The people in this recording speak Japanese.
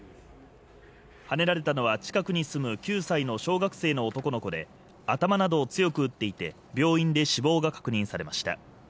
はねられたのは近くに住む９歳の小学生の男の子で頭などを強く打っていて、病院で死亡が確認されました。